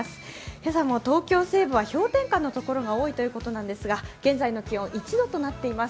今朝も東京西部は氷点下のところが多いということなんですが現在の気温、１度となっています。